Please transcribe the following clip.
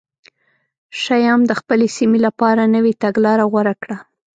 شیام د خپلې سیمې لپاره نوې تګلاره غوره کړه